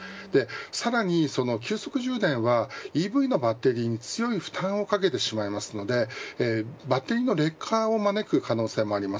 さらに、その急速充電はＥＶのバッテリーに強い負担をかけてしまいますのでバッテリーの劣化を招く可能性もあります。